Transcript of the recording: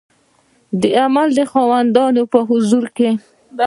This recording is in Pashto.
د عمل د خاوندانو په حضور کې